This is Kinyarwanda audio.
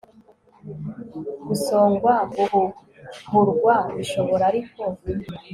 gusongwa guhuhurwa. bishobora ariko